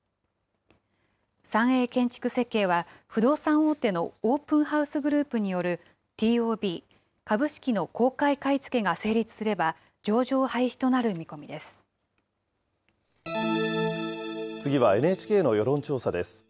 三栄建築設計は、不動産大手のオープンハウスグループによる、ＴＯＢ・株式の公開買い付けが成立すれば、次はＮＨＫの世論調査です。